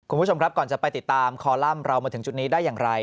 คุณผู้ชมครับก่อนจะไปติดตามคอลัมป์เรามาถึงจุดนี้ได้อย่างไร